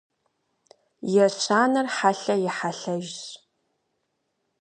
Ещанэр хьэлъэ и хьэлъэжщ.